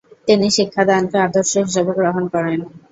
তিনি শিক্ষাদানকে আদর্শ হিসাবে গ্রহণ করেন।